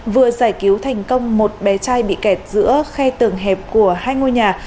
vừa giải cứu thành công một bé trai bị kẹt giữa khe tầng hẹp của hai ngôi nhà